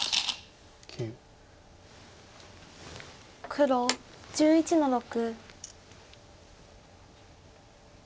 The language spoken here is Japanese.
黒１１の六。